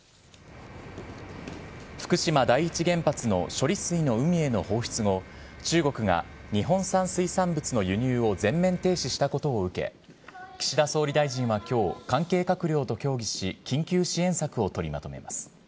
福島第一原発の処理水の海への放出後、中国が日本産水産物の輸入を全面停止したことを受け、岸田総理大臣はきょう、関係閣僚と協議し、緊急支援策を取りまとめます。